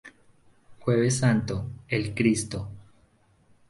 Jueves Santo:El cristo.